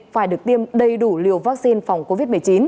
phải được tiêm đầy đủ liều vaccine phòng covid một mươi chín